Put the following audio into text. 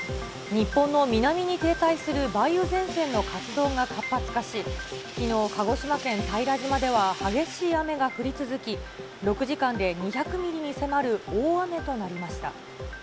日本の南に停滞する梅雨前線の活動が活発化し、きのう、鹿児島県平島では激しい雨が降り続き、６時間で２００ミリに迫る大雨となりました。